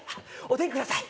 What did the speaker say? おでんください